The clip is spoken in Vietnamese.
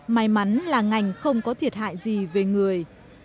may mắn là ngành không có thiệt hại gì về người